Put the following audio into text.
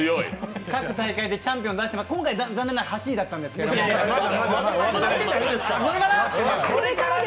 各大会でチャンピオンを出していて今回残念ながら８位だったんですけど、これから？